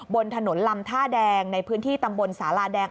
บนถนนลำท่าแดงในพื้นที่ตำบลสาลาแดง